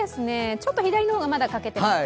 ちょっと左のほうがまだ欠けてますか。